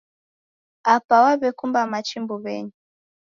Apa waw'ekumba machi mbuw'enyi.